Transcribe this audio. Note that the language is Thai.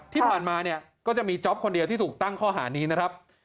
ที่ผ่านมาเนี่ยก็จะมีจ๊อปคนเดียวที่ถูกตั้งข้อหานี้นะครับ